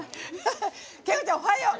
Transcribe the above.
景子ちゃん、おはよう。